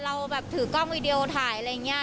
เราแบบถือกล้องวีดีโอถ่ายอะไรอย่างนี้